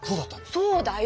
そうだよ！